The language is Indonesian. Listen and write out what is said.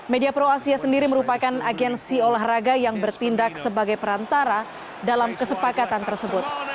media pro asia sendiri merupakan agensi olahraga yang bertindak sebagai perantara dalam kesepakatan tersebut